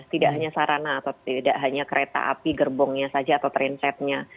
tidak hanya sarana atau tidak hanya kereta api gerbongnya saja atau trainsetnya